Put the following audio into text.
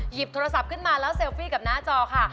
หยิบโทรศัพท์ขึ้นมาแล้วเซลฟี่กับหน้าจอค่ะ